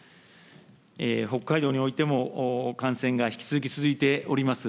北海道においても、感染が引き続き続いております。